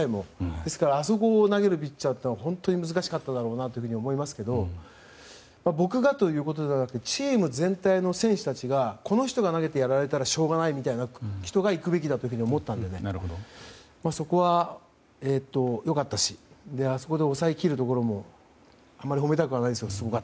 ですからあそこを投げるピッチャーは本当に難しかったと思いますが僕がということではなくてチーム全体の選手たちがこの人が投げてやられたらしょうがないみたいな人が行くべきだと思っていたのでそこは良かったしあそこで抑え切るところもあまり褒めたくはないんですが。